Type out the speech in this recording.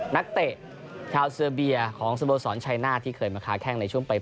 นักเตะชาวเสิร์เบียของสบสนไชนาอีกที่เคยมาค้าแข่งในช่วงปลาย